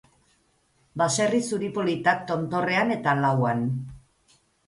Baserri zuri politak tontorrean eta lauan.